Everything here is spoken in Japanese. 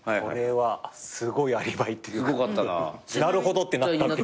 これはすごいアリバイっていうかなるほどってなった。